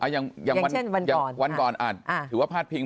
อย่างเช่นวันก่อนถือว่าพลาดพิง